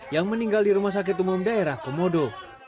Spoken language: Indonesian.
yang meninggal di rumah sakit umum daerah komodo